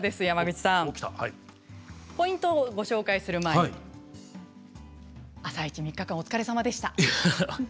山口さんポイントをご紹介する前に「あさイチ」３日間お疲れさまでした。